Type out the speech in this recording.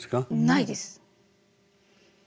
ないです。